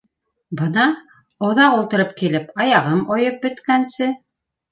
Бына оҙаҡ ултырып килеп, аяғым ойоп бөткәнсе.